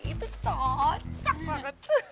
itu cocok banget